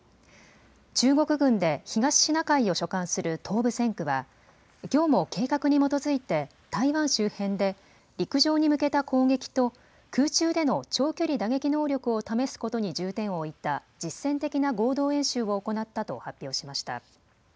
中国軍で東シナ海を所管する東部戦区はきょうも計画に基づいて台湾周辺で陸上に向けた攻撃と空中での長距離打撃能力を試すことに重点を置いた実戦的な合同演習を行ったと発表しました。